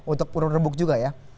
untuk urut urut juga ya